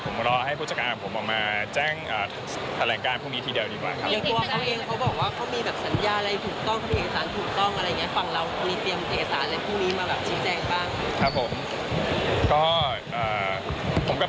ผมรอให้ผู้จัดการของผมออกมาแจ้งแถลงการพรุ่งนี้ทีเดียวดีกว่าครับ